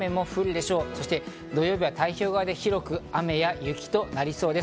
土曜日は太平洋側で広く雨や雪となりそうです。